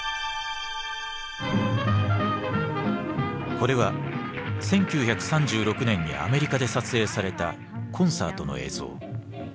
これは１９３６年にアメリカで撮影されたコンサートの映像。